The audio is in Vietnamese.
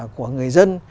của người dân